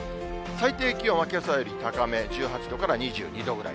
最低気温はけさより高め、１８度から２２度ぐらい。